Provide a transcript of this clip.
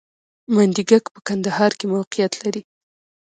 منډیګک په کندهار کې موقعیت لري